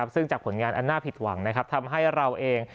ซึ่งจากผลงานอันน่าผิดหวังทำให้เราเอง